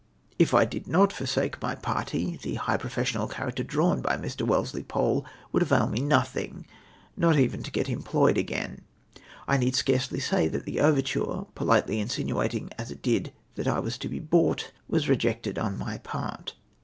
If I did not forsake my party, the high professional character di*awn by Mi\ Wellesley Pole would avail me nothinii' — not even to oet em ployed again ! I need scarcely say that the overture, — pohtely insinuating, as it chd, that I was to be bought — was rejected on my part.